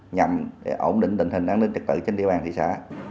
nhằm để ổn định tình hình an ninh trực tự trên địa bàn thị xã